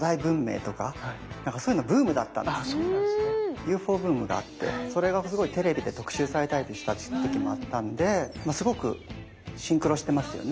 ＵＦＯブームがあってそれがすごいテレビで特集されたりとした時もあったんでまあすごくシンクロしてますよね。